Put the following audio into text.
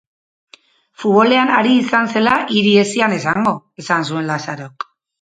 Futbolean ari izan zela hiri ez zian esango, esan zuen Lazarok.